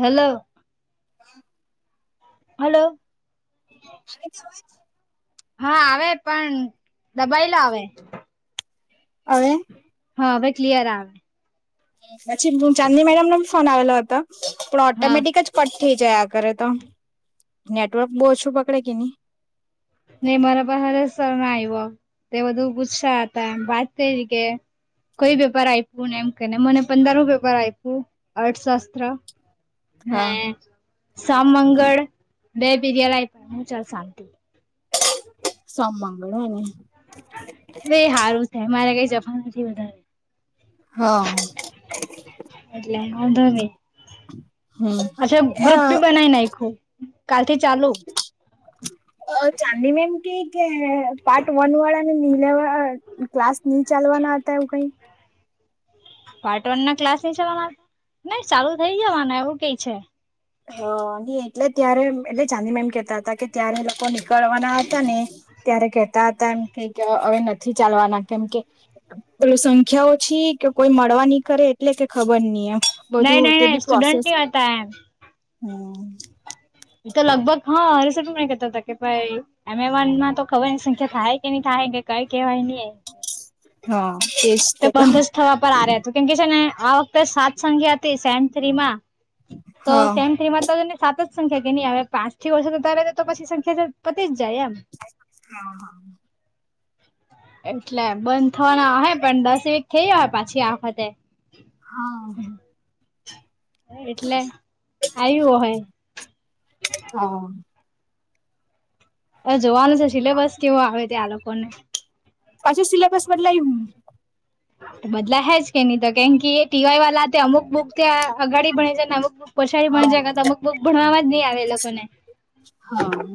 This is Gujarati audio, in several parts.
હેલો. હા. હાલો. આવે છે અવાજ. હા આવે પણ દબાયેલો આવે. હવે. હા હવે ક્લિયર આવે. પછી ચાંદીની મેડમનો ફોન આવેલો હતો, પણ હા ઓટોમેટિક જ કટ. થઈ જાય આ કરરે તો નેટવર્ક બહુ ઓછું પકડે કે નહીં. નહીં મારા પાસે સર ના આવો. તે બધું ગુસ્સા હતા વાત થ જ કે. કોઈ પેપર આપ્યું ને એમ કેને મને પંદર પેપર આપ્યું અર્થશાસ્ત્ર. હા હમ સામંગળ. બે બીરિયા લઈ પણ હું ચાલ શાંતિ. કામ મગણ એને. હારુ થાય મારે કઈ જફ નથી વધારે. હા. એટલે હ ધોમે. આજે ગ્રુપ બી હમ બનાવી નાખું કાલથી ચાલુ. અ ચાંદી મેમ કે. કે પાર્ટ વન વાળા ને ની લેવા ક્લાસ નહી ચાલવાના હતા એવું કઈ. પાર્ટ વન ના ક્લાસ ન ચાલવાના નહી ચાલુ થઇ જવાનું એવું કઈ છે. હા નહીં એટલે ત્યારે એટલે ચાંદી મેમ કેતા તા કે ત્યારે લોકો નીકળવાના હતા ને ત્યારે કેતા હતા એમ કે હ હવે નથી ચાલ વાના કેમ કે પેલું સંખ્યા ઓછી કે કોઈ મળવા ની કરે એટલે કે ખબર નહી એમ. નહી બધું નહી તે નહી બી સ્ટુડન્ટ પ્રોસેસ, નહી હતા એમ હમ્મ. એ તો લગભગ હા [unintelligible] કેતા તા કે ભાઈ [unintelligible] માં તો ખબર ની સંખ્યા થાય હે કી નઈ થાહે. કે કાઈ કેવાય નેહ, હા એજ તો તે બંધ જ થવા પર આ રહેતું કેમ કે છે ને આ વખતે સાત સંખ્યા હતી સેન થ્રી માં તો હા સેમ થ્રીમાં તો સાત જ. સંખ્યા કે નહી હવે પાંચથી ઓષ આવે તો પછી સંખ્યા છે પતિ. હા હા. એટલે બંધ થવાના હો પણ દસ વીક થઈ જ હોય પાછી આખતે. હા. એટલે આવ્યું હોય. હા. હ જોવાનું છે સિલેબસ કેવો આવે ત્યા આ લોકોને. પછી સિલેબસ બદલાય હું. બદલા હેજ કે નહી તો કેમ કે ટીવાય વાળા તે અમુક બુક ત્યાં અગાડી ભણે છે ને અમુક બુક. પછાડી પણ જ હા અમુકક ભણવાવામાં જ નહ આવે એ લોકોને. હા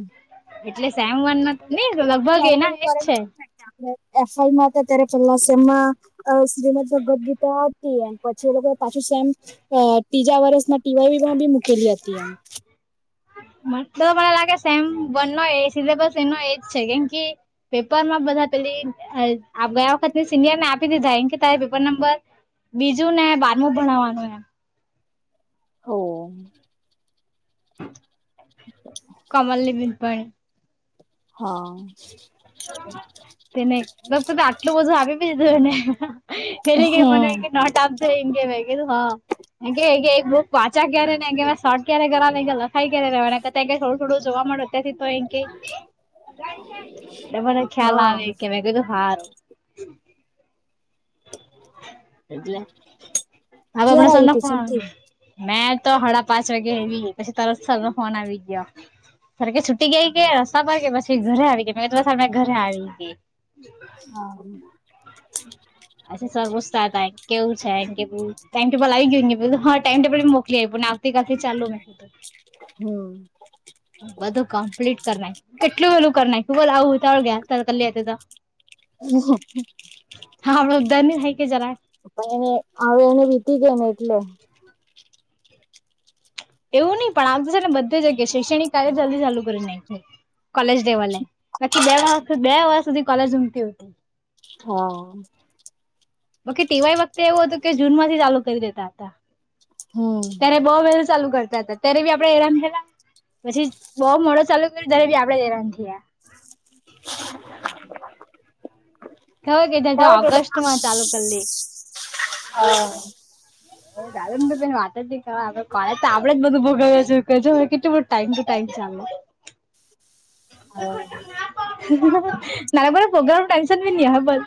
એટલે સેમવન નઈ લગભગ એના એજ છે. એફમાં હતા ત્યારે પહેલામમાં શ્રીમદ ભગવદ ગીતા હતી એમ પછી એ લોકો. પાછુંમ ત્રીજા વર્ષના ટીવાયમાં બી મૂકેલી હતી એમ. તો મને લાગે સેમ ઓને એ સિલેબસ એનો એજ છે કેમ કે. પેપર માં બધા પેલી આપ ગયા વખત સિનિયર ને. આપી દીધા એન કે તારા પેપર નંબર બીજું ને બારમું ભણવાનું એમ. ઓહ. કમલ લીબિનપણ હા. તેને [unintelligible] આટલું બધું આવી બધું [unintelligible] [unintelligible] હા મે કીધું હા. [unintelligible] પાછા ક્યારે [unintelligible] [unintelligible] એ કે એ મને ખ્યાલ હા આવે આવે કે મે કીધું હારું એટલે હવે ક્યારે આપણા સર આયુ નો ટ્યુશન ફોન થી? મેં તો હાડા પાંચ વાગે આયવી, પછી તરત સર નો ફોન આવી ગયો. સર કે છુટી ગઈ કે રસ્તા પર કે પછી ઘરે આવી ગઈ મે તો સર ને ઘરે આવી ગઈ. હા. પછી સર પૂછતા હતા કેવું છે કેવું, ટાઈમટેબલ આવી ગયું, મે કીધું હા ટાઈમટેબલ મોકલી આયપું ને આવતી [unintelligible] હમ્મ. બધું કમ્પ્લીટ કર નાખ, કેટલું બધું કર નાયખું, બહું [unintelligible] [unintelligible] [unintelligible] જરાક પણ એને આવ એને વીતી ગયું ને એટલે. એવું નહી પણ આમ તો છે ને બધી જગ્યાએ શૈક્ષણિક કાર્ય જલ્દી ચાલુ કરે નાયખ કોલેજ લેવલે, બાકી બે વરહ બે વર્ષ સુધી કોલેજ [unintelligible] હા. [unintelligible] તેવાય વખતે એવું હતું કે જૂન માંથી ચાલુ કરી દેતા હતા. હમ્મ. હા. હા ત્યારે બહું વહેલું ચાલુ કરતા હતા, ત્યારે બી આપડે હેરાન થયેલા. પછી બહુ મોડો ચાલુ કર્યો ત્યારે બી આપડે જ હેરાન થયાં. [inaudible] ખબર કે ત્યાં તો ઓગસ્ટ માં ચાલુ કરી દે. [unintelligible] દાલ વાત જ નહી તો આપડે જ બધું ભોગવ કે હવે કેટલું બધું ટાઈમ ટુ ટાઈમ. હા. નારેગરે પ્રગ્રામ ટાઈમશન પ ન હા બલ.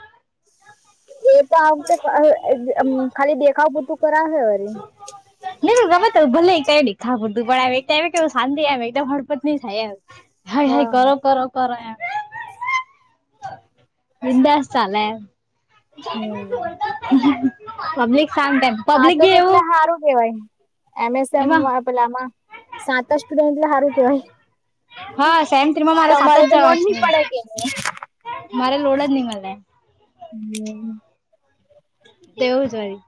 એ તો આ વખતે ખાલી દેખાવ બધું કરાવશે વારી. ન ગમેત ભલે એક દેખા પડતું પણ કે શાંતિ આવે એકદમ હડપત નહી થાય. હાય-હાય હા કરો-કરો-કરો એમ. બિંદાસ ચાલે એમ. હમ્મ. પબ્લિક શાંત એમ પબ્લિક તો બી એવું કેટલા હારું કેવાય, એમેસમ એમાં અહ પેલા સાત સ્ટુડન્ટ એટલે હારું કેવાય. હા સેમ થ્રી માં મારા સાત તમારે તો જણા લોડ નહી છે. પડે કે મારે લોડ જ ની મલે. હમ્મ. તેવું જ હોય.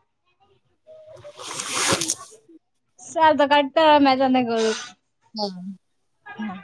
[unintelligible] [unintelligible] હા. હમ્મ.